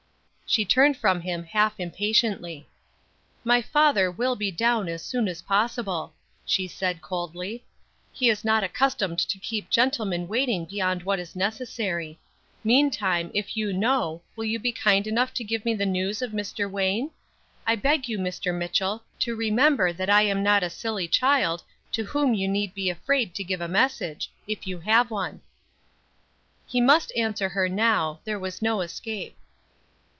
She turned from him half impatiently. "My father will be down as soon as possible," she said, coldly. "He is not accustomed to keep gentlemen waiting beyond what is necessary. Meantime, if you know, will you be kind enough to give me news of Mr. Wayne? I beg you, Mr. Mitchell, to remember that I am not a silly child, to whom you need be afraid to give a message, if you have one." He must answer her now; there was no escape.